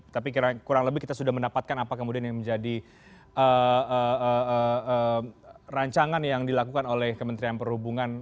tapi kurang lebih kita sudah mendapatkan apa kemudian yang menjadi rancangan yang dilakukan oleh kementerian perhubungan